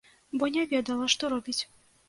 Бо не ведала, што робіць.